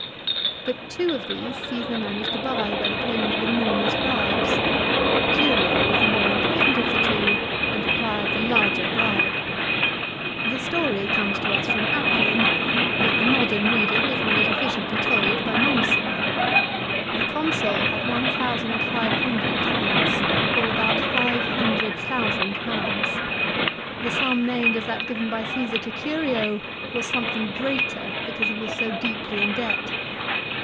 But two of these Caesar managed to buy by the payment of enormous bribes. Curio was the more im portant of the two and required the larger bribe. The story 136 LIFE OF CICERO. comes to us from Appian, 1 but the modern reader will find it efficiently told by Mommsen. 2 The Consul had 1,500 talents, or about 500,000 ! The sum named as that given by Caesar to Curio was something greater because he was so deeply in debt